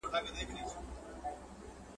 بشري حقونه په اوسني عصر کي ډیر مهم دي.